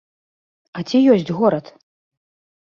А ці ёсць горад?